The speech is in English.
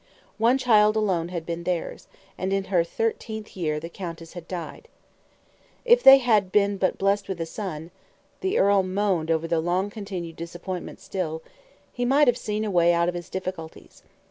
One child alone had been theirs, and in her thirteenth year the countess had died. If they had but been blessed with a son the earl moaned over the long continued disappointment still he might have seen a way out of his difficulties.